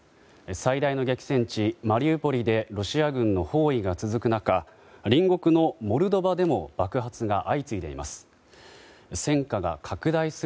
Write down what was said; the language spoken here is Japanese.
最大の激戦地マリウポリでロシア軍の包囲が続く中隣国のモルドバでも爆発が相次いでいます。